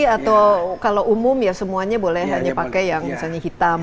atau kalau umum ya semuanya boleh hanya pakai yang misalnya hitam